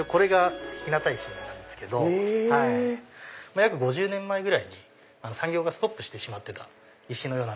約５０年前ぐらいに産業がストップしてしまってた石。